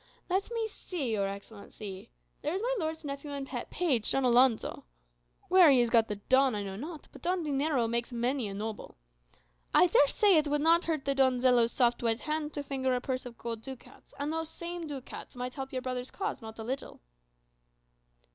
"Let me see, your Excellency. There is my lord's nephew and pet page, Don Alonzo (where he has got the 'Don' I know not, but Don Dinero makes many a noble); I dare say it would not hurt the Donzelo's soft white hand to finger a purse of gold ducats, and those same ducats might help your brother's cause not a little."